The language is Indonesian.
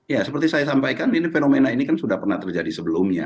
ya seperti saya sampaikan ini fenomena ini kan sudah pernah terjadi sebelumnya